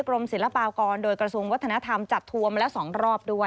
กรมศิลปากรโดยกระทรวงวัฒนธรรมจัดทัวร์มาแล้ว๒รอบด้วย